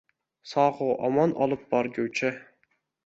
Sogʼu omon olib borguvchi